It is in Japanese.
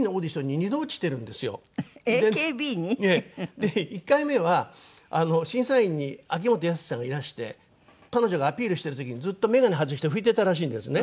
で１回目は審査員に秋元康さんがいらして彼女がアピールしてる時にずっと眼鏡外して拭いてたらしいんですね。